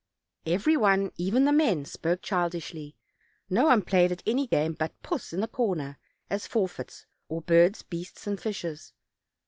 Every one, even the men, spoke childishly; no one played at any game but puss in the corner, at for feits, or birds, beasts and fishes.